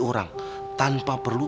orang tanpa perlu